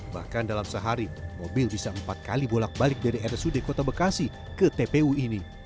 bahkan dalam sehari mobil bisa empat kali bolak balik dari rsud kota bekasi ke tpu ini